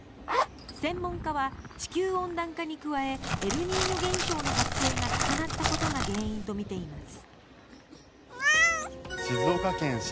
専門家は地球温暖化に加えエルニーニョ現象の発生が重なったことが原因とみています。